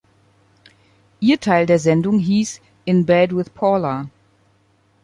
Ihr Teil der Sendung hieß "In Bed With Paula".